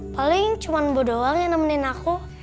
paling cuma bodoh yang nemenin aku